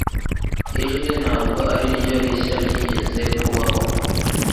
Ijwi ntabwo ariryo rishya ryigeze kubaho,